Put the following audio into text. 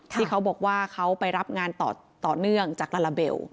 ที่เขาบอกว่าเขาไปรับงานต่อเนื่องจากลาลาเบล